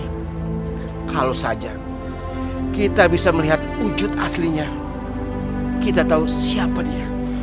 kalau saja kita bisa melihat wujud aslinya kita tahu siapa dia